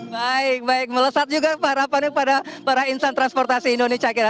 baik baik melesat juga para para para insan transportasi indonesia